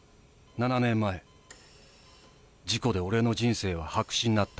７年前事故で俺の人生は白紙になった。